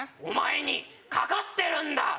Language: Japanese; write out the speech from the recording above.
お前にかかってるんだ